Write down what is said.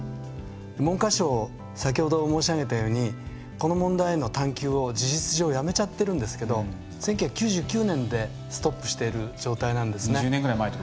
文科省先ほども申し上げたようにこの問題への探求を事実上やめちゃってるんですけど１９９０年でストップしている状態なんですね。